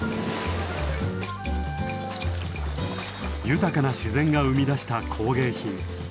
豊かな自然が生み出した工芸品。